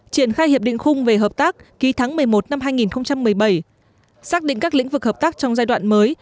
triển khai hiệp định khung về hợp tác ký tháng một mươi một năm hai nghìn một mươi bảy xác định các lĩnh vực hợp tác trong giai đoạn mới